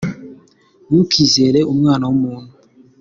Ntukizere umwana w’umuntu.